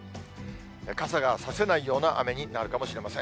傘が差せないような雨になるかもしれません。